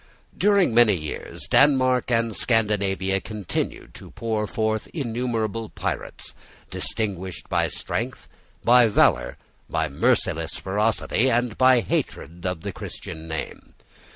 During many years Denmark and Scandinavia continued to pour forth innumerable pirates, distinguished by strength, by valour, by merciless ferocity, and by hatred of the Christian name.